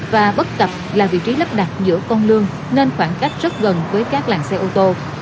và bất cập là vị trí lắp đặt giữa con lương nên khoảng cách rất gần với các làng xe ô tô